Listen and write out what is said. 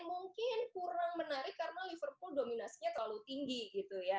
mungkin kurang menarik karena liverpool dominasinya terlalu tinggi gitu ya